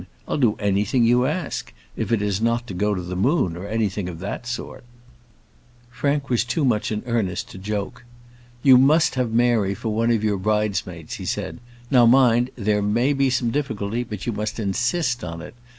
I'll do anything you ask; if it is not to go to the moon, or anything of that sort." Frank was too much in earnest to joke. "You must have Mary for one of your bridesmaids," he said. "Now, mind; there may be some difficulty, but you must insist on it.